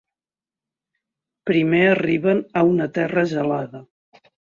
Primer arriben a una terra gelada.